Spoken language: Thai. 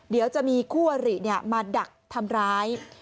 เดี๋ยวจะมีคู่อริมาดักทำร้าย